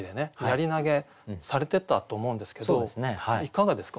槍投げされてたと思うんですけどいかがですか？